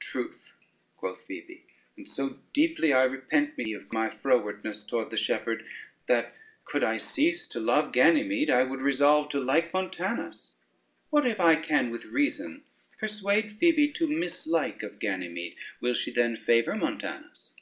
"Truth," quoth Phoebe, "and so deeply I repent me of my frowardness toward the shepherd, that could I cease to love Ganymede, I would resolve to like Montanus." "What, if I can with reason persuade Phoebe to mislike of Ganymede, will she then favor Montanus?"